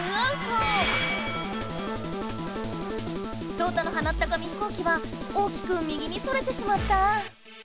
ソウタのはなった紙飛行機は大きく右にそれてしまった！